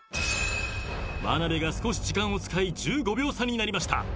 眞鍋が少し時間を使い１５秒差になりました。